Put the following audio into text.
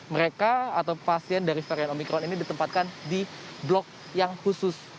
mereka atau pasien dari varian omikron ini ditempatkan di blok yang khusus